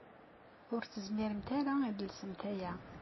Ur tezmiremt ara ad telsemt aya.